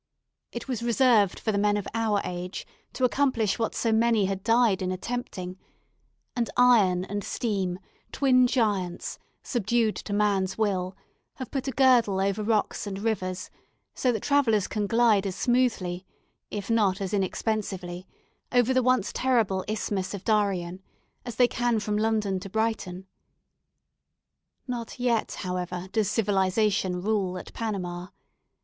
It was reserved for the men of our age to accomplish what so many had died in attempting, and iron and steam, twin giants, subdued to man's will, have put a girdle over rocks and rivers, so that travellers can glide as smoothly, if not as inexpensively, over the once terrible Isthmus of Darien, as they can from London to Brighton. Not yet, however, does civilization, rule at Panama.